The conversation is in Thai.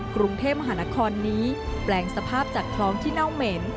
กรุงเทพมหานครนี้แบงก์สภาพจากคลองน้ำเลย